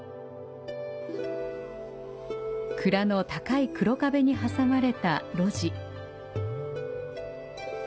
蔵の高い黒壁に挟まれた路地。